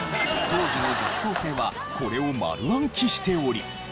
当時の女子高生はこれを丸暗記しており。